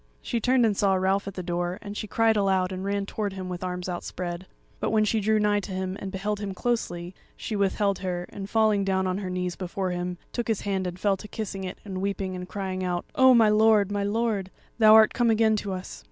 She turned and saw Ralph at the door, and she cried aloud and ran towards him with arms outspread. But when she drew nigh to him and beheld him closely, she withheld her, and falling down on her knees before him took his hand and fell to kissing it and weeping and crying out, "O my lord, my lord, thou art come again to us!"